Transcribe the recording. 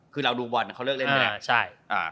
คือเราดูบอลเขาเลิกเล่นไปแล้ว